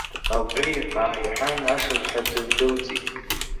Абри ааиҳәан, ашырҳәа дындәылҵит.